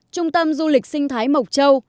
trung tâm du lịch sinh thái mộc châu